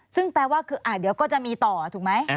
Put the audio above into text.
ซึ่งแปลว่าคือเดี๋ยวก็จะมีต่อถูกไหม